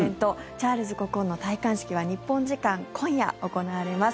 チャールズ国王の戴冠式は日本時間今夜行われます。